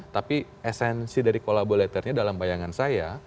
tapi esensi dari kolaboratornya dalam bayangan saya